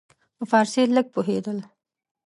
په فارسي لږ پوهېدل.